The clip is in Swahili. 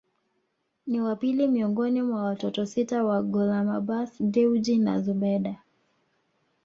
Ni wa pili miongoni mwa watoto sita wa Gulamabbas Dewji na Zubeda